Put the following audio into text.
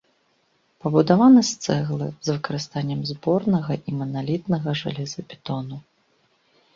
Пабудаваны з цэглы з выкарыстаннем зборнага і маналітнага жалезабетону.